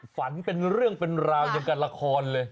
ฝันเป็นเรื่องเป็นราวอย่างกับละครเลย